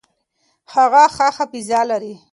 هغه ښه حافظه لري.